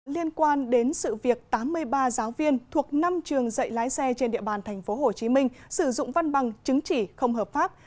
liên quan đến sự việc tám mươi ba giáo viên thuộc năm trường dạy lái xe trên địa bàn tp hcm sử dụng văn bằng chứng chỉ không hợp pháp